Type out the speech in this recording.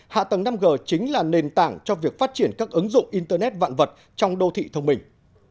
hạ tầng năm g chính là nền tảng cho việc phát triển các ứng dụng internet vạn vật trong đô thị thông minh